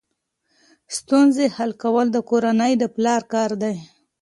ستونزې حل کول د کورنۍ د پلار کار دی.